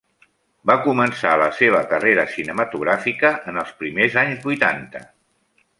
Va començar la seva carrera cinematogràfica en els primers anys vuitanta.